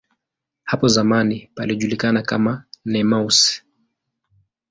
Hapo zamani palijulikana kama "Nemours".